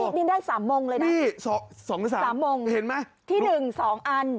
นี่นี่ได้สามมงเลยนะนี่สองสองสามสามงเห็นไหมที่หนึ่งสองอัน